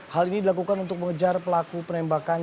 hal ini dilakukan untuk mengejar pelaku penembakan